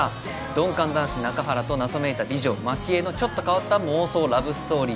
鈍感男子中原と謎めいた美女マキエのちょっと変わった妄想ラブストーリー。